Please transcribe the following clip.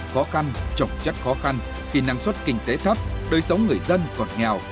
khó khăn trọng chất khó khăn khi năng suất kinh tế thấp đời sống người dân còn nghèo